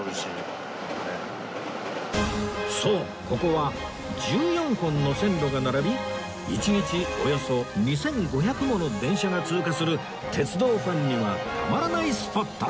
そうここは１４本の線路が並び１日およそ２５００もの電車が通過する鉄道ファンにはたまらないスポット